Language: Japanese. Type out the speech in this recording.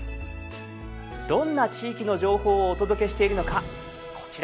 どんな地域の情報をお届けしているのかこちらをご覧下さい。